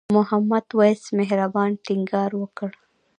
محمد وېس مهربان ټینګار وکړ.